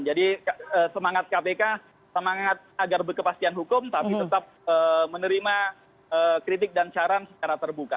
jadi semangat kpk semangat agar berkepastian hukum tapi tetap menerima kritik dan saran secara terbuka